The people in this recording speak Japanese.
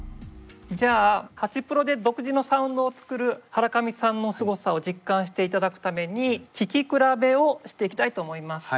じゃあハチプロで独自のサウンドを作るハラカミさんのすごさを実感していただくために聴き比べをしていきたいと思います。